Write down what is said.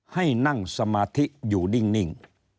ให้นั่งสมาธิอยู่นิ่ง